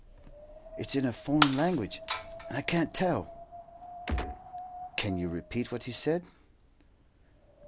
"It's in a foreign language, and I can't tell." "Can you repeat what he said?"